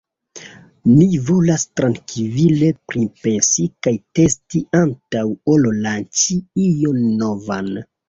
Ni volas trankvile pripensi kaj testi antaŭ ol lanĉi ion novan.